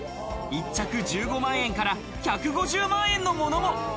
１着、１５万円から１５０万円のものも。